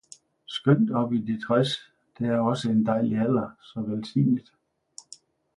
skønt op i de tres, det er også en dejlig alder, så velsignet!